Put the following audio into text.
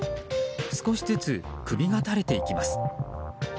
少しずつ首が垂れていきます。